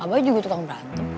abah juga tukang berantem